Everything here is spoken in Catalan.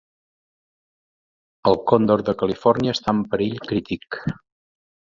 El còndor de Califòrnia està en perill crític.